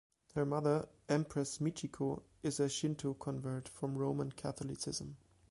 Her mother, Empress Michiko, is a Shinto convert from Roman Catholicism.